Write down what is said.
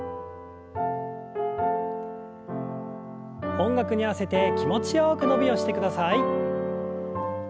音楽に合わせて気持ちよく伸びをしてください。